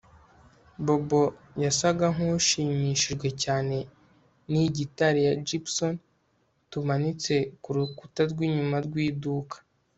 Bobo yasaga nkushimishijwe cyane niyi gitari ya Gibson tumanitse kurukuta rwinyuma rw iduka